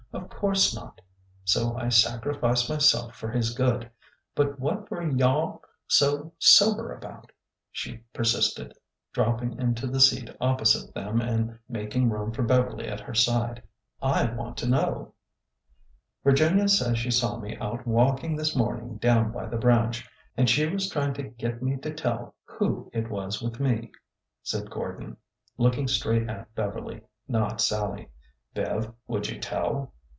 Of course not. So I sac rificed myself for his good. But what were yow all so sober about ?" she persisted, dropping into the seat op posite them and making room for Beverly at her side. " I want to know." Virginia says she saw me out walking this morning down by the branch, and she was trying to get me to tell who it was with me," said Gordon, looking straight at Beverly, not Sallie. Bev, would you tell?"